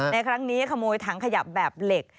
ในครั้งนี้ขโมยถังขยับแบบเหล็ก